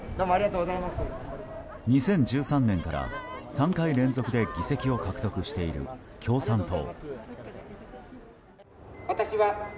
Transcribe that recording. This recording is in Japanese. ２０１３年から３回連続で議席を獲得している共産党。